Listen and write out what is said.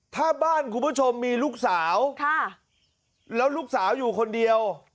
ถ้าบ้านคุณผู้ชมมีลูกสาวแล้วลูกสาวอยู่คนเดียว